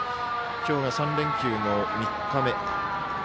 今日が３連休の３日目。